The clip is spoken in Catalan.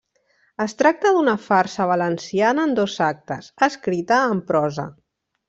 Es tracta d'una farsa valenciana en dos actes, escrita en prosa.